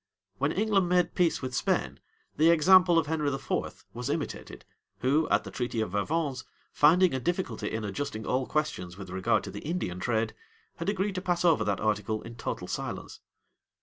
When England made peace with Spain, the example of Henry IV. was imitated, who, at the treaty of Vervins, finding a difficulty in adjusting all questions with regard to the Indian trade, had agreed to pass over that article in total silence.